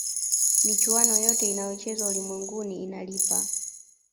michuano yote inayochezwa ulimwenguni inalipa